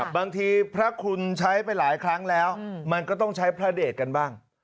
บางทีพระคุณใช้ไปหลายครั้งแล้วมันก็ต้องใช้พระเดชกันบ้าง